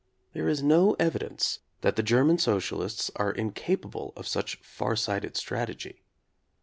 There is no evidence that the German socialists are incap able of such far sighted strategy.